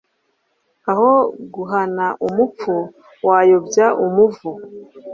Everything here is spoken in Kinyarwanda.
aho guhana umupfu wayobya umuvu